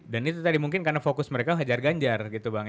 dan itu tadi mungkin karena fokus mereka hajar ganjar gitu bang ya